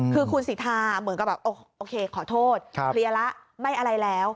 คือคุณสิทธาเหมือนกับแบบโอเคขอโทษเคลียร์แล้วไม่อะไรแล้ว